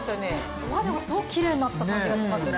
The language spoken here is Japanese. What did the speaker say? お肌がすごくキレイになった感じがしますね。